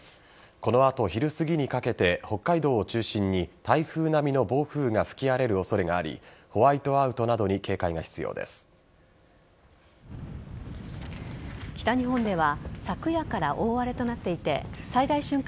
この後、昼すぎにかけて北海道を中心に台風並みの暴風が吹き荒れる恐れがありホワイトアウトなどに北日本では昨夜から大荒れとなっていて最大瞬間